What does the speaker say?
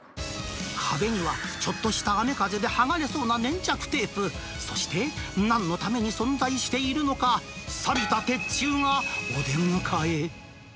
壁にはちょっとした雨風で剥がれそうな粘着テープ、そして、なんのために存在しているのか、さびた鉄柱がお出迎え。